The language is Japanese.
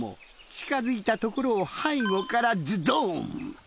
近づいたところを背後からズドン！